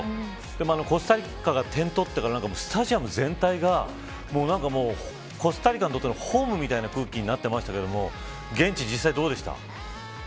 でもコスタリカが点を取ってからスタジアム全体がコスタリカにとってのホームみたいな空気になってましたけれども。